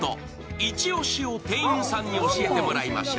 イチオシを店員さんに教えていただきましょう。